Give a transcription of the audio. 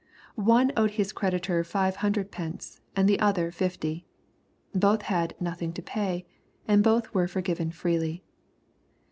" One owed his creditor five hundred pence, and the other fifty.'' Both had "nothing to pay," and both were forgiven freely.